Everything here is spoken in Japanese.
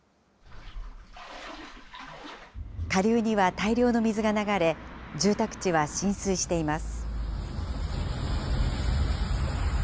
下流には大量の水が流れ、住宅地は浸水しています。